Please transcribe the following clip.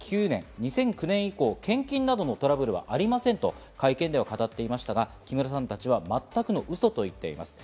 ２００９年以降、献金などのトラブルはありませんと会見で語っていましたが、木村さんたちは全くのウソと言っています。